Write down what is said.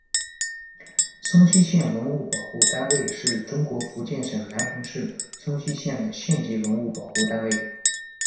松溪县文物保护单位是中国福建省南平市松溪县的县级文物保护单位。